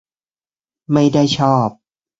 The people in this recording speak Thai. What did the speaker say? ไม่ได้ชอบ